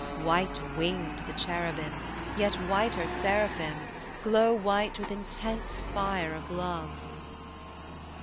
"White winged the cherubim, Yet whiter seraphim, Glow white with intense fire of love."